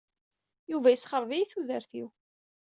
Yuba yessexreb-iyi tudert-iw.